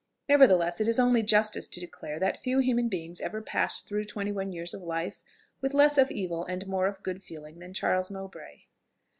Nevertheless, it is only justice to declare, that few human beings ever passed through twenty one years of life with less of evil and more of good feeling than Charles Mowbray.